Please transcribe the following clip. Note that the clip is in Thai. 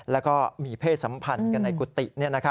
แล้วก็มีเพศสัมพันธ์กันในกุฏิ